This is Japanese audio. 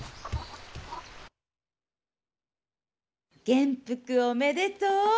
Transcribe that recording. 元服おめでとう。